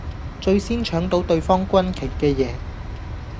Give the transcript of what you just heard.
最先搶到對方軍旗嘅贏